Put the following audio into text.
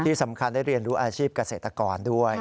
ที่สำคัญได้เรียนรู้อาชีพเกษตรกรด้วย